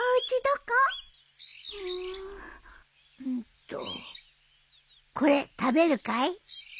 うーんとこれ食べるかい？